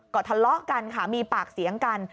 ก็ทะเลาะกันค่ะมีปากเสียงกัน